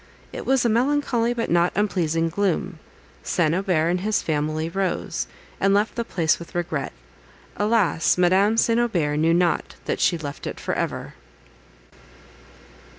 It was a melancholy but not unpleasing gloom. St. Aubert and his family rose, and left the place with regret; alas! Madame St. Aubert knew not that she left it for ever.